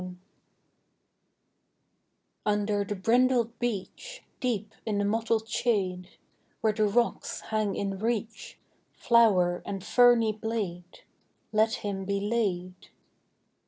REST Under the brindled beech, Deep in the mottled shade, Where the rocks hang in reach Flower and ferny blade, Let him be laid.